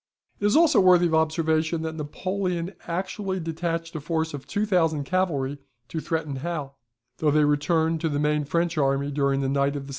It is also worthy of observation that Napoleon actually detached a force of 2,000 cavalry to threaten Hal, though they returned to the main French army during the night of the 17th.